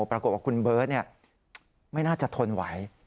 ปรากฏว่าคุณเบิร์ตไม่น่าจะทนไหว